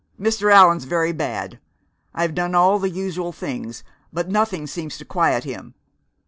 "Mr. Allan's very bad. I've done all the usual things, but nothing seems to quiet him.